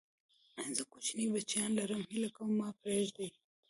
زه کوچني بچيان لرم، هيله کوم ما پرېږدئ!